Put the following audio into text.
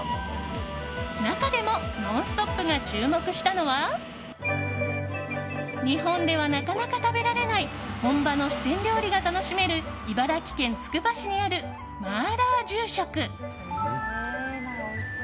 中でも「ノンストップ！」が注目したのは日本ではなかなか食べられない本場の四川料理が楽しめる茨城県つくば市にある麻辣十食。